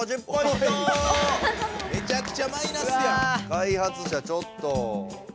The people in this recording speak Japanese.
開発者ちょっと。